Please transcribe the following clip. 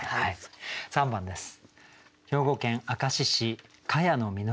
３番です。